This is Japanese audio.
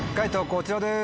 こちらです。